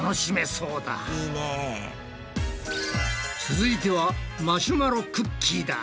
続いてはマシュマロクッキーだ。